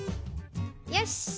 よし。